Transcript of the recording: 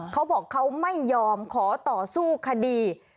เขาบอกเขาไม่ยอมขอต่อสู้คดี